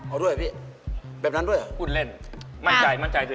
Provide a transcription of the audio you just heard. เอาด้วยพี่แบบนั้นด้วยอุ่นเล่นมั่นใจมั่นใจด้วย